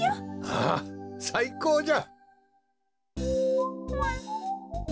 ああさいこうじゃ！